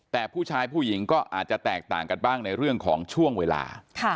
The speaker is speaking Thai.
แต่ผู้ชายผู้หญิงก็อาจจะแตกต่างกันบ้างในเรื่องของช่วงเวลา